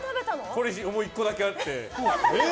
これ１個だけあって。